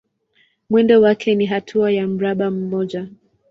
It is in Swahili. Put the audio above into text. Mwendo wake ni hatua ya mraba mmoja.